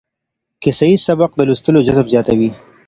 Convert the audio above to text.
کيسه ييز سبک د لوستلو جذب زياتوي.